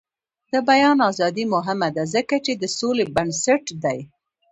د بیان ازادي مهمه ده ځکه چې د سولې بنسټ دی.